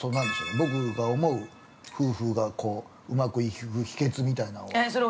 僕が思う、夫婦がうまくいく秘訣みたいなのを。